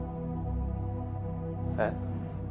えっ？